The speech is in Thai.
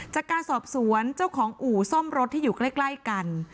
จากการสอบสวนเจ้าของอู่ซ่อมรถที่อยู่ใกล้กัน